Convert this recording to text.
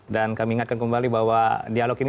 dan kami ingatkan kembali bahwa dialog ini